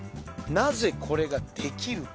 なぜこれができるか？